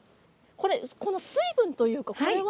この水分というか、これは。